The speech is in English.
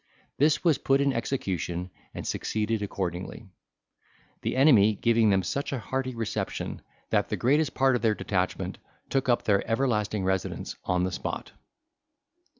This was put in execution, and succeeded accordingly; the enemy giving them such a hearty reception, that the greatest part of their detachment took up their everlasting residence on the spot.